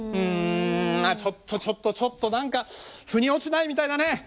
んちょっとちょっとちょっと何かふに落ちないみたいだね。